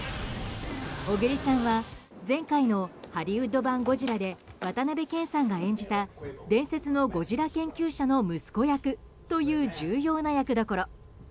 小栗さんは、前回のハリウッド版「ゴジラ」で渡辺謙さんが演じた伝説のゴジラ研究者の息子役という重要な役どころ。